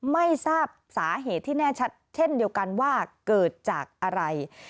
ไม่ทราบสาเหตุที่แน่ชัดเช่นเดียวกันว่าเกิดจากอะไร